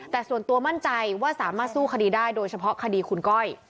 แต่ส่วนตัวมั่นใจว่าสามารถสู้คดีได้โดยเฉพาะคดีคุณก้อย